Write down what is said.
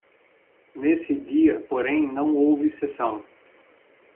Nesse dia, porém, não houve sessão.